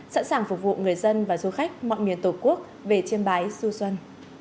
sẵn sàng phục vụ người dân và du khách mọi miền tổ quốc về chiêm bái xu xuân